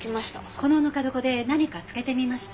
このぬか床で何か漬けてみました？